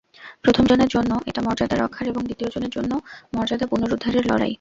প্রথমজনের জন্য এটা মর্যাদা রক্ষার এবং দ্বিতীয়জনের জন্য মর্যাদা পুনরুদ্ধারের লড়াই।